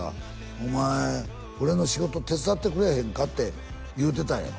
「お前俺の仕事手伝ってくれへんか」って言うてたんやろ？